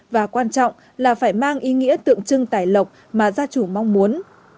và quan trọng là phải mang ý nghĩa tượng trưng tài lộc mà gia chủ mong muốn